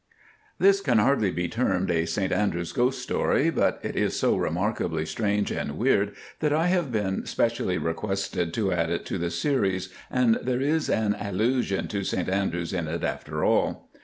This can hardly be termed a St Andrews ghost story, but it is so remarkably strange and weird that I have been specially requested to add it to the series, and there is an allusion to St Andrews in it after all.